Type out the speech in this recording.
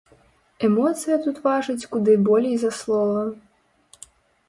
Эмоцыя тут важыць куды болей за слова.